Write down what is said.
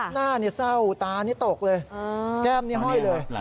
หน้านี่เศร้าตานี่ตกเลยแก้มนี้ห้อยเลย